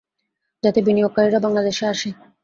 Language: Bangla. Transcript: যাতে বিনিয়োগকারীরা বাংলাদেশে আসে।